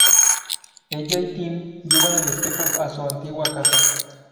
Ella y Tim llevan el espejo a su antigua casa.